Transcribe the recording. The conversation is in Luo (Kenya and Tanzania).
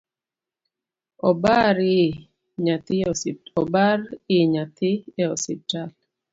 Obar i nyathi e osiptal